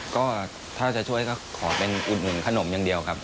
ก็ถ้าจะช่วยก็ขอเป็นอุดหนุนขนมอย่างเดียวครับ